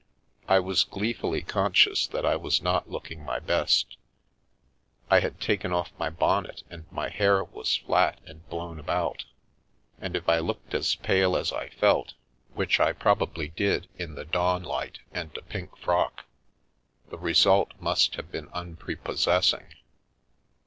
I was gleefully conscious that I was not looking my best. I had taken off my bonnet and my hair was flat and blown about, and if I looked as pale as I felt, which I probably did in the dawnlight and a pink frock, the result must have been unprepossessing.